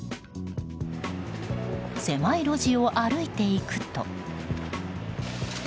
狭い路地を歩いていくと。